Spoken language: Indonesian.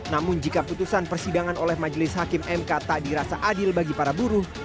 namun jika putusan persidangan oleh majelis hakim mk tak dirasa adil bagi para buruh